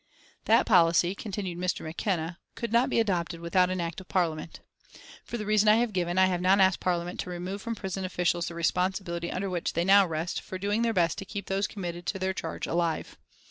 "That policy," continued Mr. McKenna, "could not be adopted without an Act of Parliament. For the reason I have given I have not asked Parliament to remove from prison officials the responsibility under which they now rest for doing their best to keep those committed to their charge alive.